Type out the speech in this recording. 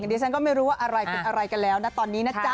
ดิฉันก็ไม่รู้ว่าอะไรเป็นอะไรกันแล้วนะตอนนี้นะจ๊ะ